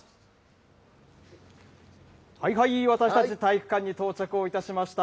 はいはい、私たち、体育館に到着をいたしました。